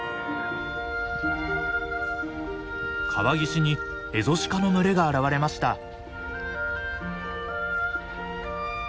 川岸にエゾシカの群れが現れました。